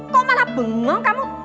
kau malah bengong kamu